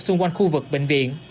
xung quanh khu vực bệnh viện